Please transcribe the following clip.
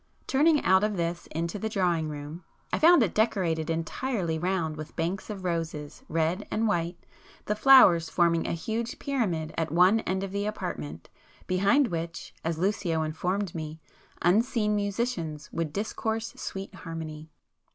Turning out of this into the drawing room, I found it decorated entirely round with banks of roses, red and white, the flowers forming a huge pyramid at one end of the apartment, behind which, as Lucio informed me, unseen musicians would discourse sweet harmony.